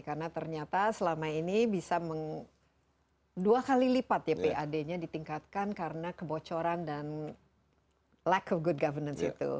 karena ternyata selama ini bisa dua kali lipat ya pad nya ditingkatkan karena kebocoran dan lack of good governance itu